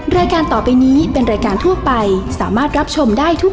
รายการต่อไปนี้เป็นรายการทั่วไปสามารถรับชมได้ทุก